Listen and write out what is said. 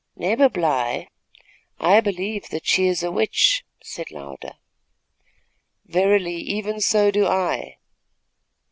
"Neighbor Bly, I believe that she is a witch," said Louder. "Verily, even so do I."